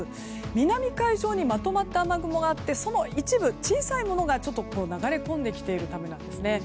南海上にまとまった雨雲があってその一部小さいものが流れ込んできているためなんですね。